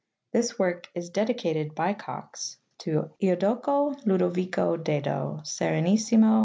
This work is dedicated by Cox to " lodoco Ludovico Dedo serenisj/wzf?